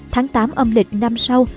tháng tám âm lịch năm sau